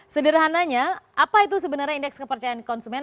sederhananya apa itu sebenarnya indeks kepercayaan konsumen